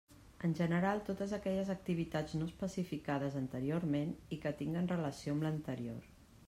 En general, totes aquelles activitats no especificades anteriorment i que tinguen relació amb l'anterior.